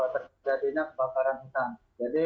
terjadinya kebakaran hutan jadi